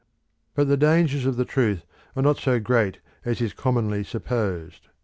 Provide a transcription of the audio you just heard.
But the dangers of the Truth are not so great as is commonly supposed.